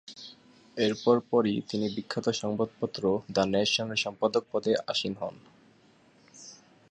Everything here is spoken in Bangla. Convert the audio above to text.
এরপর পরই তিনি বিখ্যাত সংবাদপত্র "দ্য নেশন"-এর সম্পাদক পদে আসীন হন।